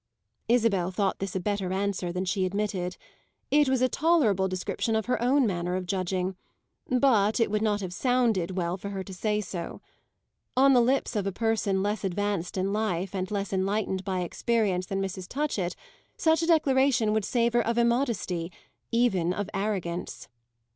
Isabel thought this a better answer than she admitted; it was a tolerable description of her own manner of judging, but it would not have sounded well for her to say so. On the lips of a person less advanced in life and less enlightened by experience than Mrs. Touchett such a declaration would savour of immodesty, even of arrogance.